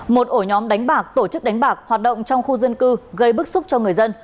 một ổ nhóm đánh bạc tổ chức đánh bạc hoạt động trong khu dân cư gây bức xúc cho người dân